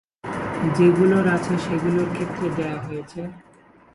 যেগুলোর আছে সেগুলোর ক্ষেত্রে দেয়া হয়েছে।